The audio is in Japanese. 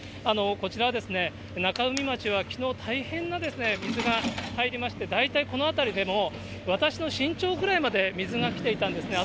こちらは中海町はきのう、大変な水が入りまして、大体この辺りでも、私の身長ぐらいまで水が来ていたんですね。